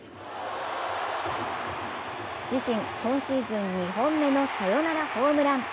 自身今シーズン２本目のサヨナラホームラン。